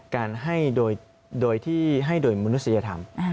การให้โดยที่ให้โดยมนุษยธรรม